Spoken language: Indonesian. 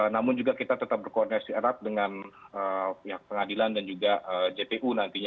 namun juga kita tetap berkoordinasi erat dengan pihak pengadilan dan juga jpu nantinya